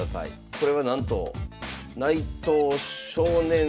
これはなんと内藤少年。